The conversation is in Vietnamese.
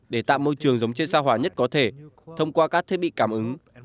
để tạo môi trường giống trên sao hỏa nhất có thể thông qua các thiết bị cảm ứng